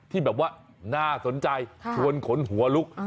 ที่แบบว่าน่าสนใจชวนขนหัวลุก